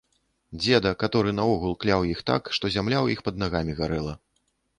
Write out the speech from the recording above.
Дзеда, каторы наогул кляў іх так, што зямля ў іх пад нагамі гарэла!